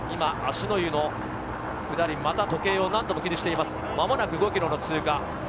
今、芦之湯の下り、また時計を何度も気にしています、間もなく５ｋｍの通過。